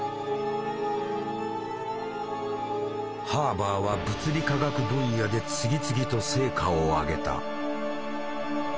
ハーバーは物理化学分野で次々と成果を上げた。